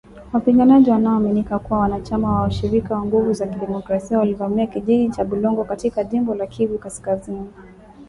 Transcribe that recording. Wapiganaji wanaoaminika kuwa wanachama wa Washirika wa Nguvu za Kidemokrasia walivamia kijiji cha Bulongo katika jimbo la Kivu kaskazini